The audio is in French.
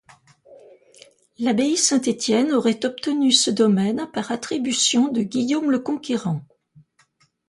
L'abbaye Saint-Étienne aurait obtenu ce domaine par attribution de Guillaume le Conquérant.